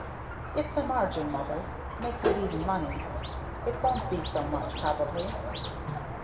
"It's margin, mother makes it even money. It won't be so much, probably."